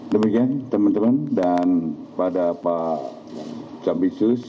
demikian teman teman dan pada pak cambisus